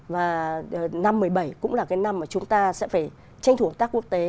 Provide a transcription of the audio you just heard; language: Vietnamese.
và năm một mươi bảy cũng là cái năm mà chúng ta sẽ phải tranh thủ hợp tác quốc tế